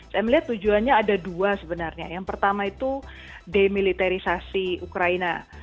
saya melihat tujuannya ada dua sebenarnya yang pertama itu demilitarisasi ukraina